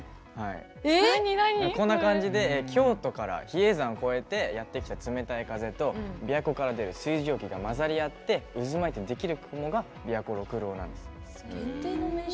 こんな感じで京都から比叡山を越えてやってきた冷たい風と琵琶湖から出る水蒸気が混ざり合って渦巻いてできる雲が琵琶湖六郎なんです。